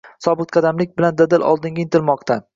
Sobitqadamlik bilan dadil oldinga intilmoqda